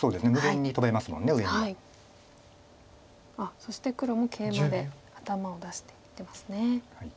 そして黒もケイマで頭を出していってますね。